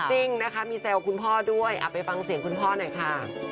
จริงนะคะมีแซวคุณพ่อด้วยไปฟังเสียงคุณพ่อหน่อยค่ะ